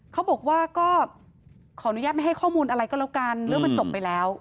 เขาบอกว่าก็ขออนุญาตไม่ให้ข้อมูลอะไรก็แล้วกันเรื่องมันจบไปแล้ว